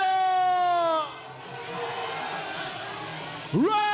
เพื่อรักษา